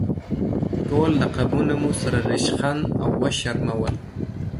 ټول لقبونه مو سره ریشخند او وشرمول.